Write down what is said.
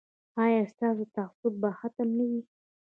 ایا ستاسو تعصب به ختم نه وي؟